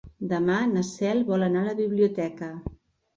Demà na Cel vol anar a la biblioteca.